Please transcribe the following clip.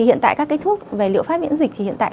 hiện tại các cái thuốc về liệu pháp miễn dịch thì hiện tại